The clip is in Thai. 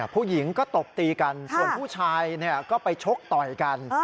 ผู้หญิงก็ตบตีกันส่วนผู้ชายก็ไปชกต่อยกัน